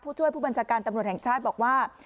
ช่วยผู้บัญชาการตำรวจแห่งชาติบอกว่า